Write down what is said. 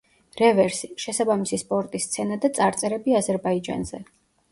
რევერსი: შესაბამისი სპორტის სცენა და წარწერები აზერბაიჯანზე.